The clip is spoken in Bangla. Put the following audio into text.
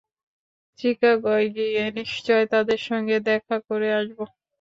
চিকাগোয় গিয়ে নিশ্চয় তাঁদের সঙ্গে দেখা করে আসব।